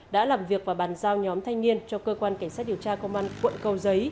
đã làm việc và bàn giao nhóm thanh niên cho cơ quan cảnh sát điều tra công an quận cầu giấy